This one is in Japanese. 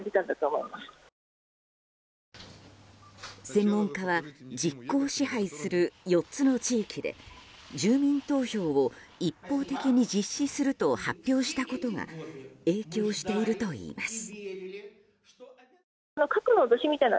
専門家は実効支配する４つの地域で住民投票を、一方的に実施すると発表したことが影響しているといいます。